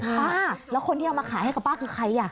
ป้าแล้วคนที่เอามาขายให้กับป้าคือใครอ่ะ